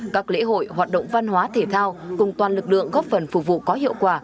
các lễ hội hoạt động văn hóa thể thao cùng toàn lực lượng góp phần phục vụ có hiệu quả